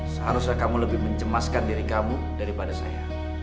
seharusnya kamu lebih mencemaskan diri kamu daripada saya